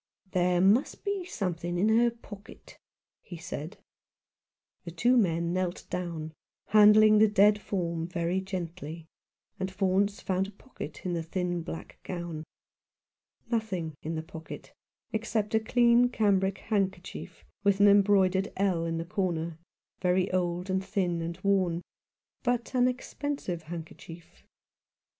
"There may be something in her pocket," he said. The two men knelt down, handling the dead form very gently, and Faunce found a pocket in the thin black gown. Nothing in the pocket, except a clean cambric handkerchief, with an embroidered " L " in the corner — very old and thin and worn, but an expensive handkerchief.